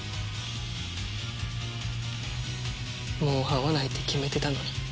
もう会わないって決めてたのに。